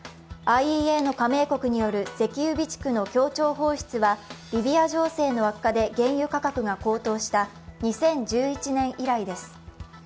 ＩＥＡの加盟国による石油備蓄の協調放出はリビア情勢の悪化で原油価格が高騰した２０１１年以来です。